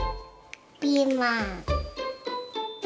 ピーマン。